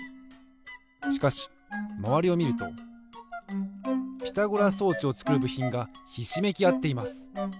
しかしまわりをみるとピラゴラ装置をつくるぶひんがひしめきあっています。